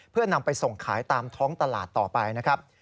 เพื่อนำไปส่งขายตามท้องตลาดต่อไปนะครับ